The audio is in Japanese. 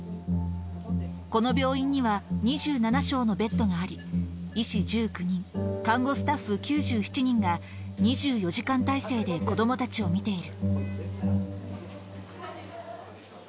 この病院には２７床のベッドがあり、医師１９人、看護スタッフ９７人が２４時間体制で子どもたちを診ている。